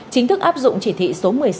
chính thức áp dụng chỉ thị số một mươi sáu